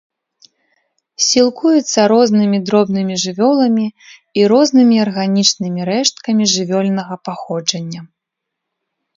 Сілкуецца рознымі дробнымі жывёламі і рознымі арганічнымі рэшткамі жывёльнага паходжання.